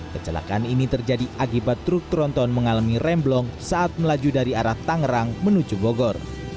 kecelakaan ini terjadi akibat truk tronton mengalami remblong saat melaju dari arah tangerang menuju bogor